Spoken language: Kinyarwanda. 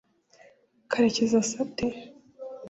karekezi asa ate